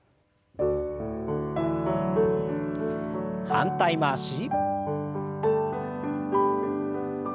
反対回し。